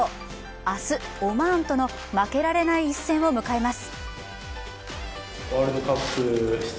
明日、オマーンとの負けられない一戦を迎えます。